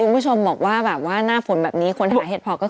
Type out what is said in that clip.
คุณผู้ชมบอกว่าแบบว่าหน้าฝนแบบนี้คนหาเห็ดพอก็คือ